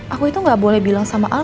aku itu gak boleh bilang sama aku ya kan